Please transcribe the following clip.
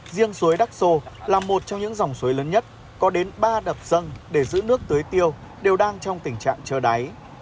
riêng suối đắc sô là một trong những dòng suối lớn nhất có đến ba đập dân để giữ nước tưới tiêu đều đang trong tình trạng trơ đáy